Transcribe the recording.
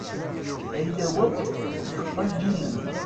Ayla-w akk yeqqel yinem.